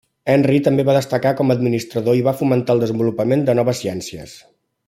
Henry també va destacar com a administrador i va fomentar el desenvolupament de noves ciències.